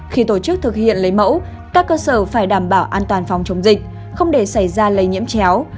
khi tổ chức thực hiện lấy mẫu các cơ sở phải đảm bảo an toàn phòng chống dịch không để xảy ra lây nhiễm chéo